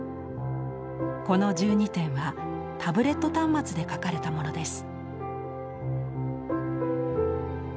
この１２点はタブレット端末で描かれたものです。